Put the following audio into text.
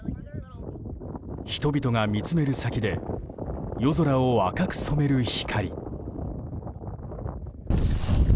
人々が見つめる先で夜空を赤く染める光。